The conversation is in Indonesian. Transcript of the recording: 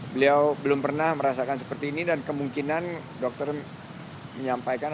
beliau belum pernah merasakan seperti ini dan kemungkinan dokter menyampaikan